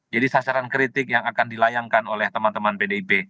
jadi sasaran kritik yang akan dilayangkan oleh teman teman pdp